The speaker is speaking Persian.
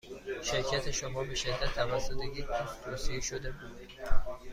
شرکت شما به شدت توسط یک دوست توصیه شده بود.